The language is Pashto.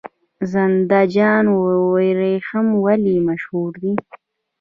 زنده جان وریښم ولې مشهور دي؟